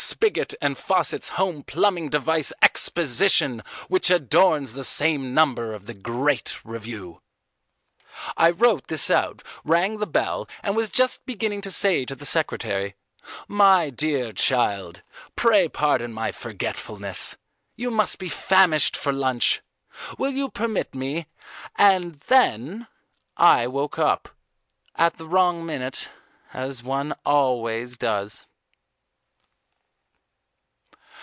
Spiggott and Fawcett's Home Plumbing Device Exposition which adorns the same number of the great review. I wrote this out, rang the bell, and was just beginning to say to the secretary "My dear child, pray pardon my forgetfulness. You must be famished for lunch. Will you permit me " And then I woke up at the wrong minute, as one always does.